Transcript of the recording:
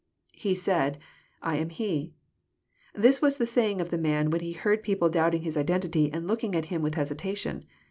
[ He said, 1 am he.] This was the saying of the man when he heard people doubting his identity and looking at him with hesitation.